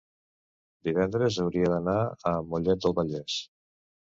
divendres hauria d'anar a Mollet del Vallès.